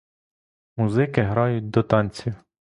Музики грають до танців.